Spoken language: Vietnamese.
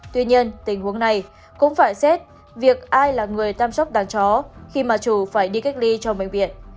tuy nhiên tình huống này cũng phải xét việc ai là người chăm sóc đàn chó khi mà chủ phải đi cách ly trong bệnh viện